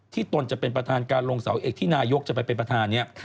ตนจะเป็นประธานการลงเสาเอกที่นายกจะไปเป็นประธานเนี่ย